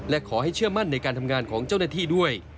และขอให้เชื่อมั่นในการทำงานของเจ้าหน้าที่ด้วย